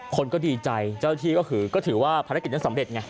คนก็ดีใจเจ้าที่ก็คือก็ถือว่าภารกิจนั้นสำเร็จไง